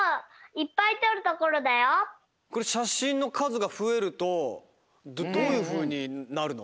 これしゃしんのかずがふえるとどういうふうになるの？